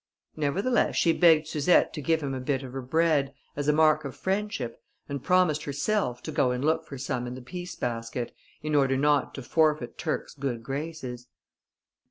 Nevertheless she begged Suzette to give him a bit of her bread, as a mark of friendship, and promised herself to go and look for some in the piece basket, in order not to forfeit Turc's good graces.